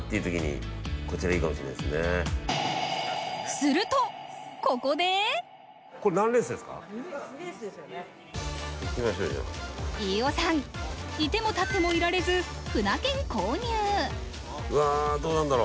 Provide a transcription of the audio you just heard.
するとここで飯尾さん、いても立ってもいられず舟券購入。